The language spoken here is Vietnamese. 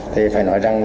thì phải nói rằng